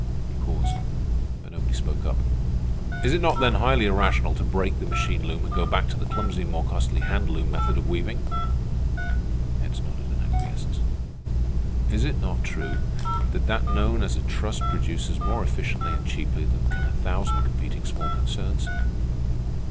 He paused, but nobody spoke up. "Is it not then highly irrational to break the machine loom and go back to the clumsy and more costly hand loom method of weaving?" Heads nodded in acquiescence. "Is it not true that that known as a trust produces more efficiently and cheaply than can a thousand competing small concerns?"